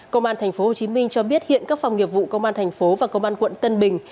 công an tp hcm cho biết hiện các phòng nghiệp vụ công an thành phố và công an quận tân bình